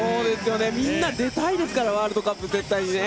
みんな出たいですからワールドカップには絶対。